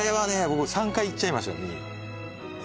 僕３回行っちゃいました